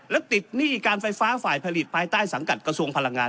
และติดหนี้การไฟฟ้าฝ่ายผลิตภายใต้สังกัดกระทรวงพลังงาน